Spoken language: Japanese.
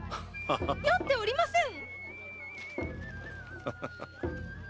酔っておりません！